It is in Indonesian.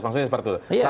maksudnya seperti itu